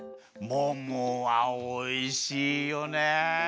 ももはおいしいよね。